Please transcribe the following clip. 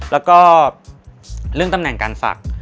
แล้วก็เรื่องตำแหน่งการศักดิ์